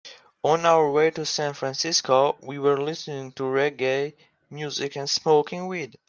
On our way to San Francisco, we were listening to reggae music and smoking weed.